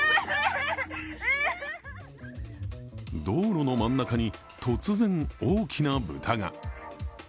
道路の真ん中に突然、大きな豚が。